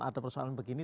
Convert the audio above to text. ada persoalan begini